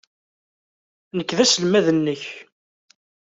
Nekk d aselmad-nnek.